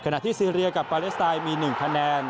ที่ซีเรียกับปาเลสไตน์มี๑คะแนน